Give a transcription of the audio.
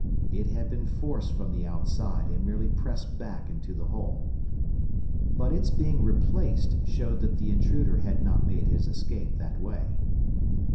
It had been forced from the outside, and merely pressed back into the hole. But its being replaced showed that the intruder had not made his escape that way.